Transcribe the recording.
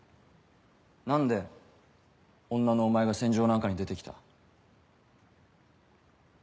何で女のお前が戦場なんかに出てきた？